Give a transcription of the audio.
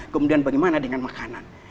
kemudian bagaimana dengan makanan